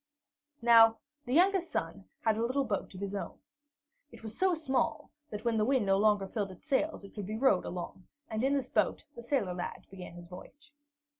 Now the youngest son had a little boat of his own. It was so small that, when the wind no longer filled its sails, it could be rowed along, and in this boat the sailor lad began his voyage.